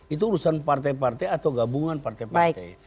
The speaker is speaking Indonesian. itu urusan partai partai atau gabungan partai partai